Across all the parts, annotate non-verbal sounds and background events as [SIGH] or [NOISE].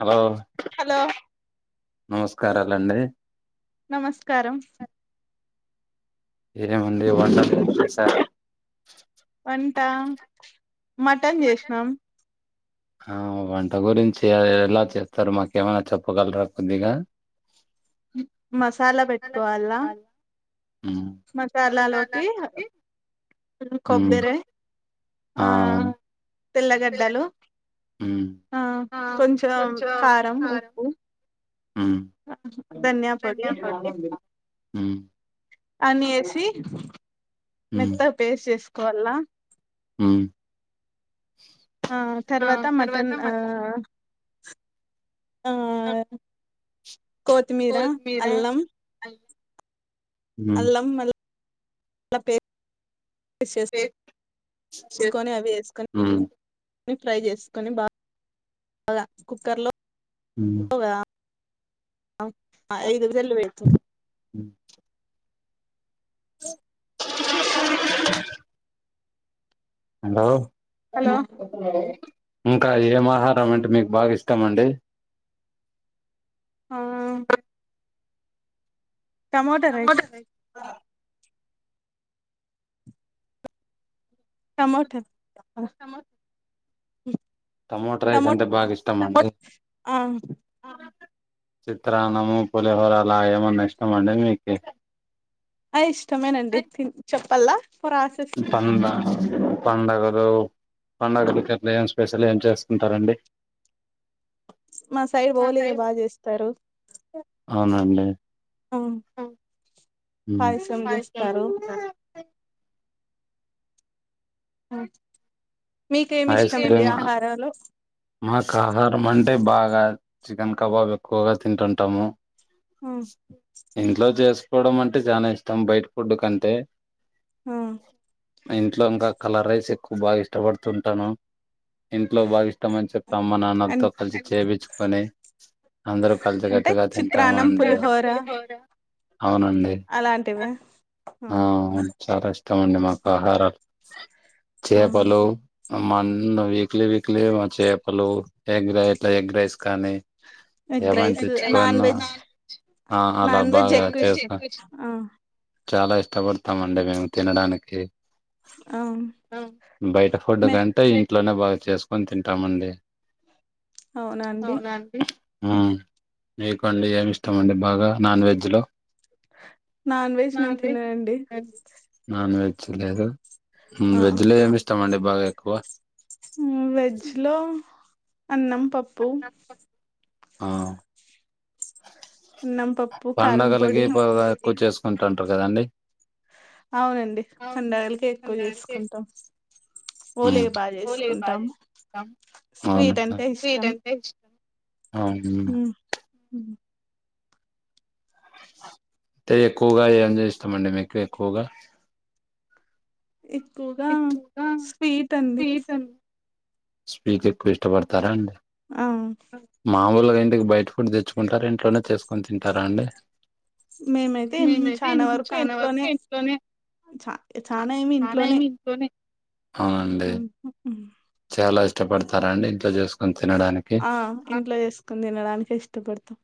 Hello hello నమస్కారాలండి నమస్కారం ఏమండి వంటలు ఏం చేశారు వంట మటన్ చేసినాం ఆ వంట గురించి ఎలా చేస్తారు మాకేమన్న చెప్పగలరా కొద్దిగా మసాలా పెట్టుకోవాలా ఉమ్ మసాలాలోకి ఉమ్ కొబ్బరి ఆ తెల్లగడ్డలు ఉమ్ ఆ కొంచం కారం ఉప్పు ఉమ్ ధన్యా పొడి ఉమ్ అని ఏసి ఉమ్ మెత్తగా పేస్ట్ చేసుకోవాల ఉమ్మ్ ఆ తర్వాత మటన్ ఆ ఆ కొత్తిమీర కొత్మీరా అల్లం అ అల్లం మ [INAUDIBLE] పే పేస్ట్ చేసు [INAUDIBLE] కొని అవి ఎసుకొని ఉమ్ ఫ్రై చేసుకొని బా [INAUDIBLE] గా కుక్కర్లో ఉమ్ ఆ [INAUDIBLE] ఉమ్ హలో హలో ఇంకా ఏం ఆహారం అంటే మీకు బాగా ఇష్టమండి ఆ టమోటా రైస్ టమోటా టమో అ టమోటా రైస్ అంతా బాగా ఇష్టమా అండి ఆ చిత్రాన్నము పులిహోర అలా ఏమన్న ఇష్టమాండి మీకి ఆ ఇష్టమేనండి తిన్ చెప్పలా పందా పండగలు పండగలకట్లు ఏం స్పెషల్ ఏం చేస్తుంటారండి మా సైడ్ హోలీగా బాగా చేస్తారు అవునండి ఉ పాయసం చేస్తారు ఆ ఐస్ క్రీమ్ మాకు ఆహారం అంటే బాగా చికెన్ కబాబ్ ఎక్కువగా తింటుంటాము ఇంట్లో చేసుకోవడం అంటే చాలా ఇష్టం బయట ఫుడ్ కంటే ఇంట్లో ఇంకా కలర్ రైస్ ఎక్కువ బాగా ఇష్టపడ ంటాను ఇంట్లో బాగా ఇష్టం అని చెప్పి అమ్మ నాన్నలతో కలిసి చేపిచ్చుకొని అందరు అంటే కలిసిగట్టుగా చిత్రాన్నం అంటమండి పులిహోర అవునండి అలాంటివి ఆ అవును చాలా ఇష్టం అండి మాకు ఆహారాలు చేపలు ఆ మన్ వీక్లీ వీక్లీ వ చేపలు ఎగ్ రైత ఎగ్ రైస్ కానీ ఎగ్ ఏమైనా రైస్ నాన్ వెజ్ తెచ్చుకోన్నా ఆ అలా నాన్ వెజ్ బాగా ఎక్కువ ఇష్టం చేస్తాం ఆ చాలా ఇష్టపడతాంమండి మేము తినడానికి ఆ బయట ఫుడ్ మే గానీ అే ఇంట్లోనే బాగా చేసుకొని తింటామండి అవునా అండి ఉమ్ మీకుండి ఏమి ఇష్టమండి బాగా నాన్ వెజ్ లో నాన్ వెజ్ లేదు నాన్ వెజ్ లేదు ఉమ్ ఆ వెజ్ లో ఏమిష్టమండి బాగా ఎక్కువ ఉ వెజ్ లో అన్నం పప్పు ఆ అన్నం పప్ పండగలిగి పగా ఎక్కువ చేసుకుంటుంటారు కదండి అవునండి పండగలకే ఎక్కువ చేసుకుంటాం హోలే బాగా చేసుకుంటాము అవును స్వీట్ అంటే ఇష్టం మ్ మ్ అంటే ఎక్కుగా ఏం ఇష్టమండి మీకు ఎక్కుగా ఎక్కుగా స్వీట్ అండి స్పీక్ ఎక్కు ఇష్టపడతారా అండి ఆ మాములుగా ఇంటికి బయట ఫుడ్ తెచ్చుకుంటారు ఇంట్లోనే చేసుకొని తింటారా అండి మేమైతే ఇన్ చాలా వరకు ఇంట్లోనే చ చానా ఏమి ఇంట్లోనే అవునండి ఉమ్ చాలా ఇష్టపడతారండి ఇంట్లో చేసుకొని తినండని ఆ ఇంట్లో చేసుకుని తినడానికే ఇష్టపడతాం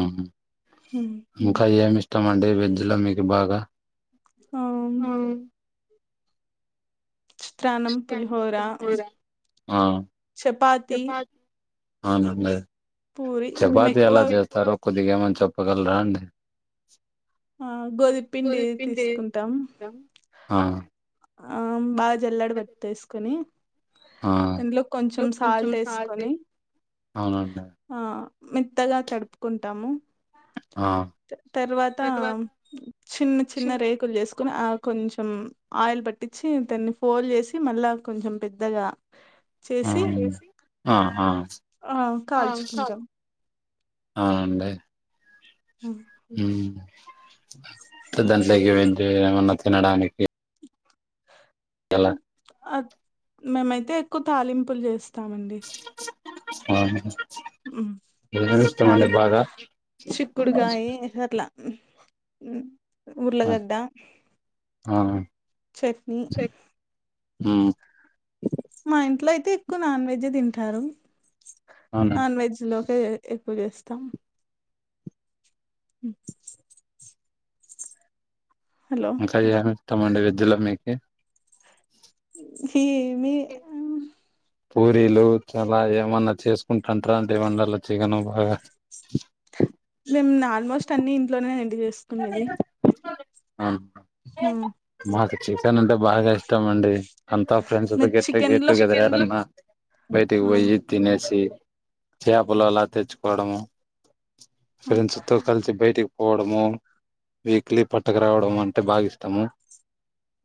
ఉహూ హు ఇంకా ఏమి ఇష్టం అండి వెజ్ లో మీకు బాగా అవును చిత్రాన్నం చికెన్ పులిహోర కూర చపాతి చపాత్ అవునండి పూరి మేము చపాతి ఎక్కువ ఎలా చేస్తారు కొద్దిగా ఏమన్నా చెప్పగలరా అండి ఆ గోదుమా పిండి తీసుకుంటాం ఆ ఆ బాగా జళ్ళేడ బట్టేసుకోని ఆ దాంట్లో కొంచెం సాల్ట్ వేసుకొని అవునండి ఆ మెత్తగా తడుపుకుంటాము ఆ తర్వాత చిన్న చిన్న రేకులు చేస్ కుని ఆ కొంచెం ఆయిల్ పట్టించి దాన్ని ఫోల్డ్ చేసి మళ్ళా కొంచెం పెద్దగా చేసి మ్ ఆ హా ఆ హా కాల్చుకుంటాం ఆ అండి ఆ మ్ దాంట్లోకి వెజ్ ఏమన్నా తినడానికి ఎలా మేమైతే ఎక్కువ తాలింపులు చేస్తామండి అవున ఉమ్. ఏం ఇష్టమండి బాగా రట్ల ఆ ఊర్లగడ్డ ఆ చట్నీ మ్ మా ఇంట్ల అయితే ఎక్కువ నాన్ వెజ్ యే తింటారు అవును నాన్ వెజ్ లోకే ఎక్కువ చేస్తాం హ [INAUDIBLE] హలో ఏమేస్తామండి వెజ్ ల మీదికి ఏమి పూరీలు చాలా ఏమన్నా చేసుకుంటుంటార అంటే వంటలో చికెను బాగా నేను ఆల్మోస్ట్ అన్ని ఇంట్లోనే అండి చేస్ అ ఉమ్, మాకు చికెన్ అంటే బాగా ఇష్టం అండి అంతా ఫ్రెండ్స్ గట్ మీరు గెట్ చికెన్ లో గేటుగేదర్ ఏదన్నా బయటికి ఆ, పోయి తినేసి చేపలు అలా తెచ్చుకోవడము ఆ, ఫ్రెండ్స్ తో కలిసి బయటికి పోవడము వీక్లీ పట్టుకు రావడం అంటే బాగా ఇష్టము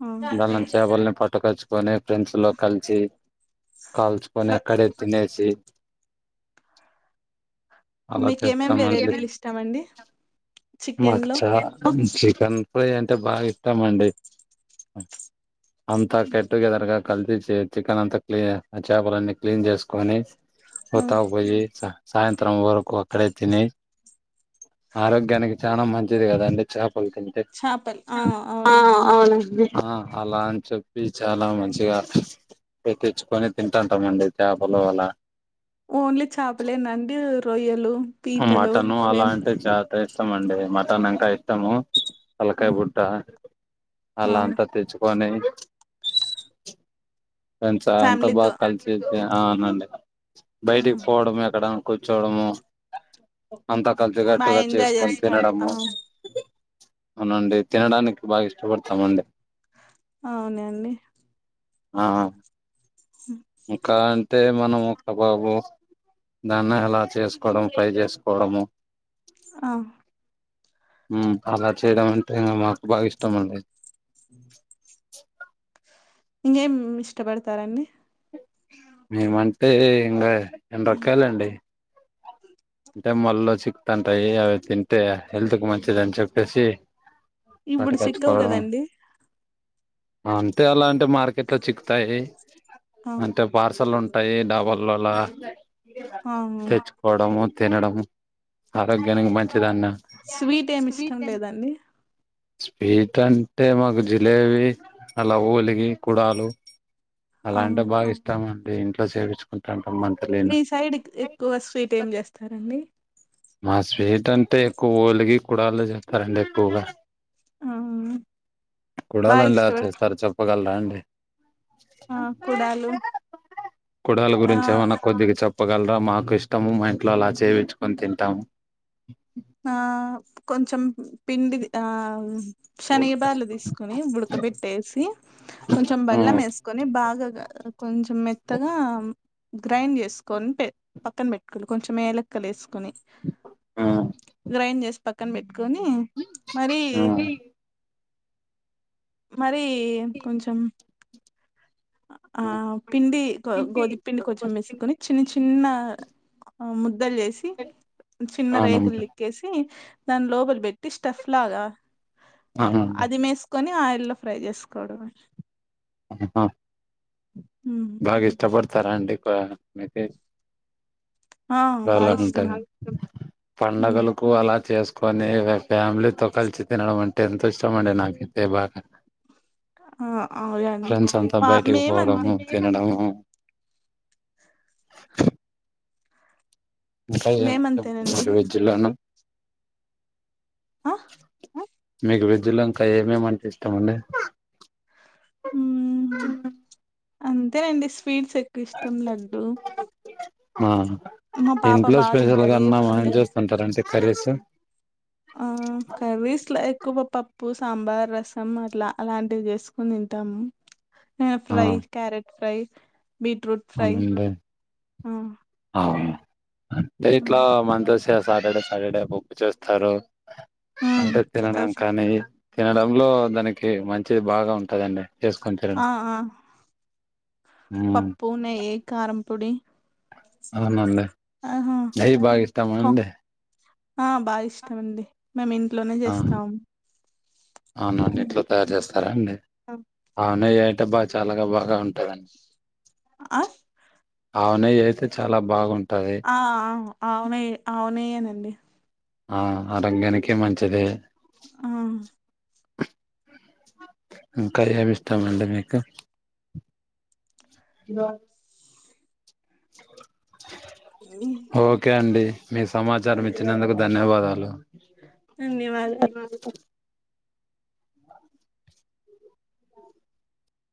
ఆ, గళం చపల్ని పట్టుకోచ్చుకొని ఫ్రెండ్స్ లో కలిసి కాల్చుకొని ఫ్ర అక్కడే తినేసి అలా మీకేమేమి తెస్తామండి వెరైటీలు ఇష్టమండి చికెన్ మాకు లో చాలా చికెన్ ఫ్రై అంటే బాగా ఇష్టమండి అంత గెట్ గేటుగెదర్ గా కలిసి చికెన్ అంతా క్లీ ఆ చేపలన్నీ క్లీన్ చేసుకొని ఆ, పొద్దక పోయి స సాయంత్రం వరకు అక్కడే తిని ఆరోగ్యానికి చాల మంచిది కదండి చేపలు తిని చపలు ఆ అవునండి ఆ అలా అని చెప్పి చాలా మంచిగా తెప్పించుకొని తింటాం అండి చపలు అలా ఓన్లీ చేపలేనాండి రొయ్యలు ఆ పీతలు మటన్ అలా అవేం అంటే చాలా ఇష్టమండి. మటన్ అంటే ఇష్టము. ఆ, తలకాయ బుట్ట ఆ, అలా అంతా తెచ్చుకొని ఫ్రెండ్స్ అంతా ఫ్యామిలీతో బాగా కలిసి ఆ అవునండి ఆ, బయటికి పోవడం ఎక్కడైనా కూర్చోవడము. అంతా బాగా కలిసిగట్టుగా ఎంజాయ్ చేసుకొని చేస్తాంట తినడము. అవునండి తినడానికి బాగా ఇష్టపడతామండి. అవునానండి ఆ ఆ హా ఇంకా అంటే మనము కబాబు దాన్ని ఎలా చేసుకోవడం ఫ్రై చేసుకోవడము ఆ మ్ అలా చేయడం అంటే మాకు బాగా ఇష్టం అండి. ఇంకా ఏం ఇష్టపడతారండి? మేమంటే ఇంకా ఎండ్రాకాయలండి. అంటే మల్లో చిక్కుతాంటాయి అవి తింటే హెల్త్ కు మంచిదిని చెప్పేసి ఇప్పుడు సిక్కవు పటుకొచ్చుకోవడం. కదండి అంటే అలాంటివి మార్కెట్ లో చిక్కుతాయి. ఆ అంటే పార్సల్ ఉంటాయి డాబాలలో ఆ తెచ్చుకోవడము తినడం ఆరోగ్యానికి మంచిదన్న స్వీట్ ఏమి ఇష్టం లేదా అండి? స్వీట్ అంటే మాకు జిలేబి అలా ఓలిగి, కుడాలు ఆ అలాంటివి బాగా ఇష్టమండి ఇంట్లో చెప్పించుకుంటాంటము. మీ సైడ్ ఎక్కువ స్వీట్ ఏం చేస్తారండి? మా స్వీట్ అంటే ఎక్కువ ఓలిగి, కూడాళ్ళు చేత్తారండి ఎక్కువగా ఆ కూడాలు బాగా ఏలా ఇష్టపడు చేస్తారో చెప్పగలరా అండి? ఆ కుడాలు. కుడాలు ఆ గురించి ఏమన్నా కొద్దిగా చెప్పగలరా మాకు ఇష్టము. మా ఇంట్లో అలా చేయిచ్చుకొని తింటాము. ఆ కొంచెం పిండి ఆ శనగ బాడలు తీసుకోవాలి ఉడకబెట్టేసి కొంచెం బెల్లం ఉమ్, వేసుకొని బాగా కొంచెం మెత్తగా గ్రైండ్ చేసుకొని పక్కన పెట్టుకో కొంచెం ఏలక్కలు వేసుకొని. మ్ గ్రైండ్ చేసి పక్కన పెట్టుకొని మరి ఉమ్, మరి కొంచెం ఆ ఉమ్, పిండి గోధు పిండి కొంచెం వేసుకుని చిన్న చిన్న ముద్దలు చేసి చిన్న రేకులు అవునండి తిక్కేసి దాని లోపలి పెట్టి స్టఫ్ లాగా అవునండి అదిమేసి కొని ఆయిల్లో ఫ్రై చేసుకోవడం. హా మ్ బాగా ఇష్టపడతారా అండి. ఆ బాగా లాంటే ఇష్టం అండి ఉమ్. పండగలకు అలా చేసుకు కొన్ని వే ఫ్యామిలీతో కలిసి తినడం అంటే ఎంతో ఇష్టం అండి నాకైతే బాగా ఆ అయన్డి మా మేమన్తే తినడమ్మ్ మేమంతేనండి ఆ [UNINTELLIGIBLE] మీకు వెజ్జలోన్కా ఏమేమంటె ఇష్టమండి మ్మ్ అంతేన్డి స్వీట్స్ ఎక్కువ ఇష్టం లడ్డుూ ఆ పాప ఇంట్లో బాగా స్పెషల్ తింటది గన్నా మానే అందుకు చేస్తన్టార అంటే కర్రీస్ ఆ కర్రీస్ లా ఎక్కువ పప్పు సాంబార్ రసం అట్లా అలాంటివి చేసుకుని తింటామ్ ఆ fry carrot fry beetroot fry అవునండి ఆ ఆ అంటే ఇట్లా ఉమ్ మన్రస్ సాటర్డే సాటర్డే పప్పు చేస్తారు ఉమ్, అంటే స- తినడం స- కానీ తినడంలో దానికి మంచి బాగా ఉంటుందండి చేసుకొని తినడం ఆ ఆ మ్మ్ పూనై కారం పొడి అవనండి ఆహా నెయ్యి బా కా ఇష్టమాండి ఆ బాఇష్టమండి మేమిన్ట్లోనే ఆ చేస్తామ్ అవునండి ఇంట్లో తయారు చేస్తారా అండి ఆవునేయి అయితే బా చాలగా బాగా టదన్ ఆ ఆవునేయి అయితే చాలా బాగుంటది ఆ అ ఆవునేయి ఆవునేయి నండి ఆ ఆరోగ్యానికి మంచిదే ఆ ఇంకా ఏం ఇష్టం అండి మీకు ఓకే అండి మీ సమాచారం ఇచ్చినందుకు ధన్యవాదాలు ధన్యవాదాలు ధన్యవాద [INAUDIBLE]